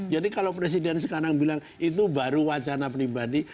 jadi kalau presiden sekarang bilang itu baru wacana pribadi